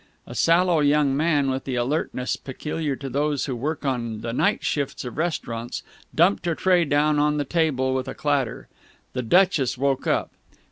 A sallow young man, with the alertness peculiar to those who work on the night shifts of restaurants, dumped a tray down on the table with a clatter. The Duchess woke up.